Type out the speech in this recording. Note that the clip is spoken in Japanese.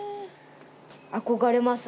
憧れます。